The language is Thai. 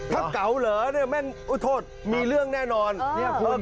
ถ้าเก๋าเหรอเนี่ยแม่งโอ้โธ่มีเรื่องแน่นอนนี่คุณ